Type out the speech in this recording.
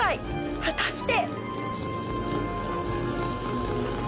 果たして。